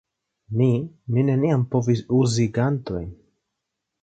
Mi, mi neniam povis uzi gantojn.